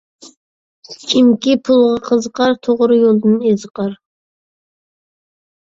كىمكى پۇلغا قىزىقار، توغرا يولدىن ئېزىقار.